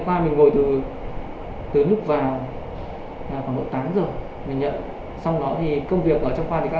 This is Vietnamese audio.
qua mình ngồi từ lúc vào là khoảng tám giờ mình nhận xong đó thì công việc ở trong khoa thì các